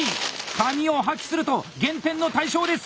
紙を破棄すると減点の対象です！